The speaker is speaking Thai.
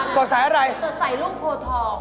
สดใสลูกโพทอง